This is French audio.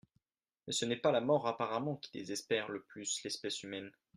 Mais ce n'est pas la mort apparemment qui désespère le plus l'espèce humaine.